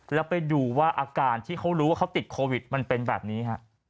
แล้วไปดูว่าอาการที่เขารู้ว่าเขาติดโควิดมันเป็นแบบนี้ฮะ